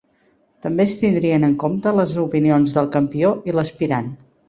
També es tindrien en compte les opinions del campió i l'aspirant.